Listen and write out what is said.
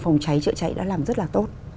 phòng cháy trịa cháy đã làm rất là tốt